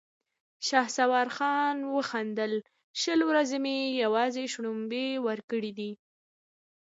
شهسوار خان وخندل: شل ورځې مې يواځې شړومبې ورکړې دي!